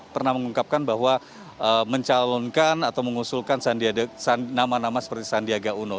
pernah mengungkapkan bahwa mencalonkan atau mengusulkan nama nama seperti sandiaga uno